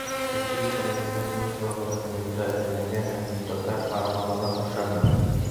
Республиканың Финанс министрлығы документты әҙерләгән һәм депутаттар ҡарамағына тапшырған.